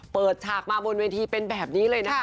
ฉากมาบนเวทีเป็นแบบนี้เลยนะคะ